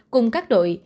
cùng các đội